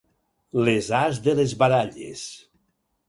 Les as de les baralles.